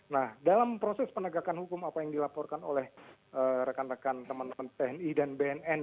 nah dalam proses penegakan hukum apa yang dilaporkan oleh rekan rekan teman teman tni dan bnn